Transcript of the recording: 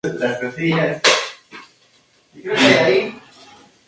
Tiene dos soluciones linealmente independientes, llamadas periodos de funciones elípticas.